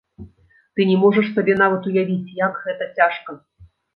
Ты не можаш сабе нават уявіць, як гэта цяжка!